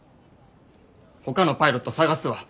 ほかのパイロット探すわ。